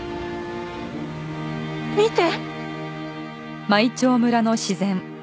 見て！